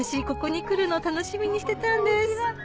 ここに来るの楽しみにしてたんです